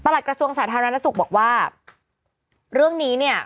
หลักกระทรวงสาธารณสุขบอกว่าเรื่องนี้เนี่ย